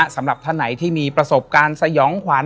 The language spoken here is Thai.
สำหรับท่านไหนที่มีประสบการณ์สยองขวัญ